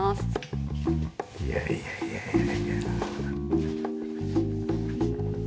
いやいやいやいや。